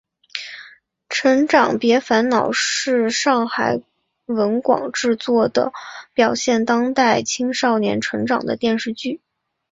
成长别烦恼是上海文广制作的表现当代青少年成长的电视剧。